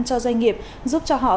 cho doanh nghiệp giúp cho họ